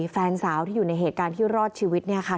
แฟนสาวที่อยู่ในเหตุการณ์ที่รอดชีวิตเนี่ยค่ะ